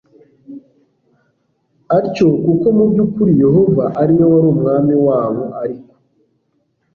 atyo kuko mu by ukuri Yehova ari we wari umwami wabo Ariko